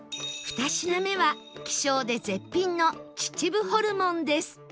２品目は希少で絶品の秩父ホルモンです